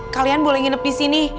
kalian boleh nginep disini